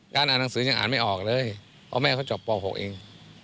อ่านหนังสือยังอ่านไม่ออกเลยเพราะแม่เขาจบป๖เอง